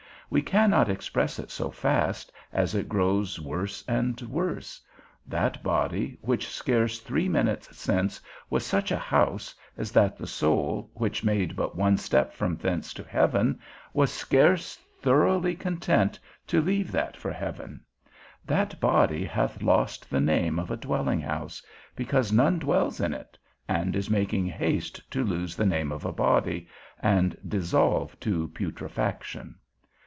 we cannot express it so fast, as it grows worse and worse. That body, which scarce three minutes since was such a house, as that that soul, which made but one step from thence to heaven, was scarce thoroughly content to leave that for heaven; that body hath lost the name of a dwelling house, because none dwells in it, and is making haste to lose the name of a body, and dissolve to putrefaction.